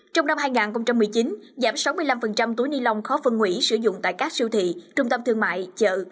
trong năm hai nghìn một mươi chín giảm sáu mươi năm túi ni lông khó phân hủy sử dụng tại các siêu thị trung tâm thương mại chợ